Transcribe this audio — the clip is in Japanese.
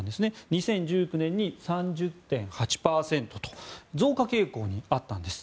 ２０１９年に３０．８％と増加傾向にあったんです。